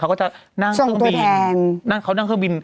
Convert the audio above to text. เขาก็จะนั่งเครื่องบินเข้านั่งเครื่องบิน